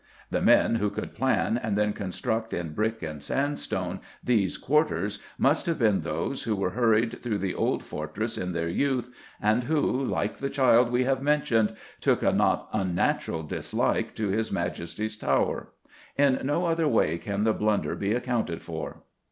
The men who could plan, and then construct in brick and sandstone these "quarters," must have been those who were hurried through the old fortress in their youth, and who, like the child we have mentioned, took a not unnatural dislike to His Majesty's Tower. In no other way can the blunder be accounted for.